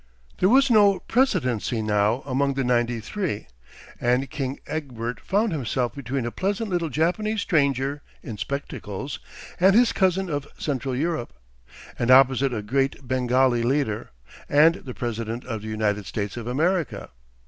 There was no precedency now among the ninety three, and King Egbert found himself between a pleasant little Japanese stranger in spectacles and his cousin of Central Europe, and opposite a great Bengali leader and the President of the United States of America.